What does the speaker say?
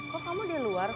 kok kamu di luar kom